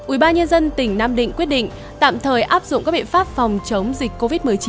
ubnd tỉnh nam định quyết định tạm thời áp dụng các biện pháp phòng chống dịch covid một mươi chín